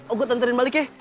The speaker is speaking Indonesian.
aku tenterin balik ya